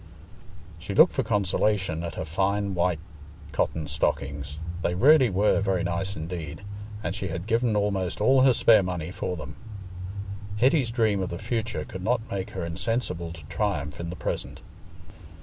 She looked for consolation at her fine white cotton stockings: they really were very nice indeed, and she had given almost all her spare money for them. Hetty's dream of the future could not make her insensible to triumph in the present.